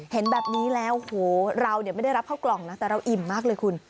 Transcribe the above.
เห็นแบบนี้แล้วโหเราไม่ได้รับเข้ากล่องนะแต่เราอิ่มมากเลยคุณ